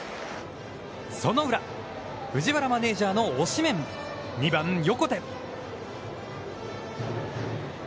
その裏、藤原マネージャーの推しメン２番横手。